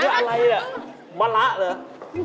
นี่อะไรล่ะมะละเหรอ